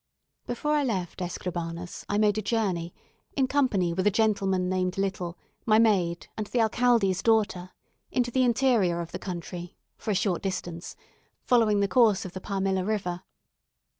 Before I left Escribanos I made a journey, in company with a gentleman named Little, my maid, and the alcalde's daughter, into the interior of the country, for a short distance, following the course of the Palmilla river.